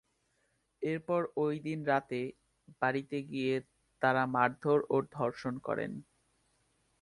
এরপর ওই দিন রাতে বাড়িতে গিয়ে তারা মারধর ও ধর্ষণ করেন।